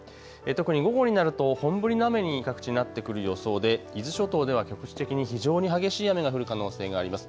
特に午後になると本降りの雨に各地なってくる予想で伊豆諸島では局地的に非常に激しい雨が降る可能性があります。